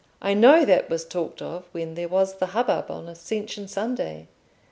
I know that was talked of when there was the hubbub on Ascension Sunday.